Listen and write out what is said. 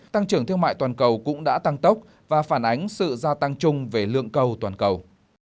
tăng trưởng thương mại toàn cầu cũng đã tăng tốc và phản ánh sự gia tăng chung về lượng cầu toàn cầu